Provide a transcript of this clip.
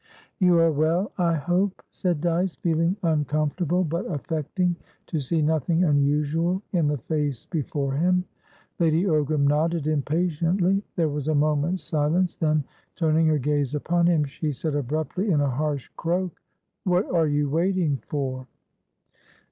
"You are well, I hope?" said Dyce, feeling uncomfortable, but affecting to see nothing unusual in the face before him. Lady Ogram nodded, impatiently. There was a moment's silence; then, turning her gaze upon him, she said abruptly, in a harsh croak: "What are you waiting for?"